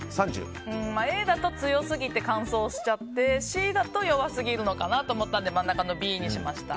Ａだと強すぎて乾燥しちゃってＣだと弱すぎると思ったので真ん中のＢにしました。